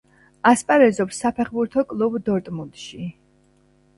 ასპარეზობს საფეხბურთო კლუბ „დორტმუნდში“.